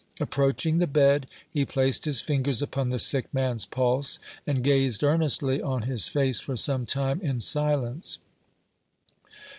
Approaching the bed, he placed his fingers upon the sick man's pulse, and gazed earnestly on his face for some time in silence.